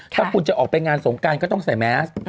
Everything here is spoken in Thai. ถ้าคุณจะออกไปงานสงการก็ต้องใส่แมส